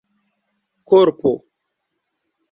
korpo